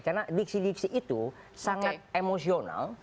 karena diksi diksi itu sangat emosional